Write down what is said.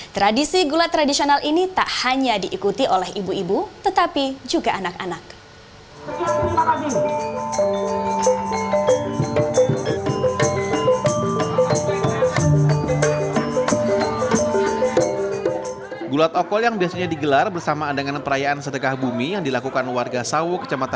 tradisi gulat tradisional ini tak hanya diikuti oleh ibu ibu tetapi juga anak anak